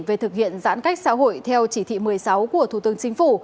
về thực hiện giãn cách xã hội theo chỉ thị một mươi sáu của thủ tướng chính phủ